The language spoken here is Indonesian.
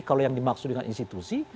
kalau yang dimaksud dengan institusi